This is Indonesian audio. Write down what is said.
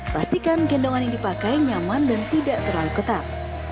pastikan gendongan yang dipakai nyaman dan tidak terlalu ketat